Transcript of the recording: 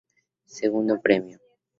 Segundo premio.